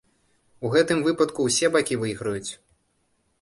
У гэтым выпадку ўсе бакі выйграюць.